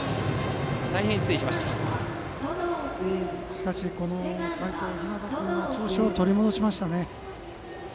しかし、齋藤陽君も調子を取り戻しましたね。